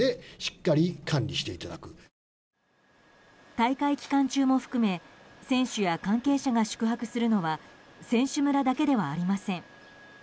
大会期間中も含め選手や関係者が宿泊するのは選手村だけではありません。